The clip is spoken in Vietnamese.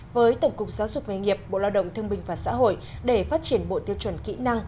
với tổng cục giáo dục nghề nghiệp bộ lao động thương minh và xã hội để phát triển bộ tiêu chuẩn kỹ năng